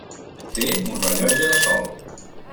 Té un rellotge de sol.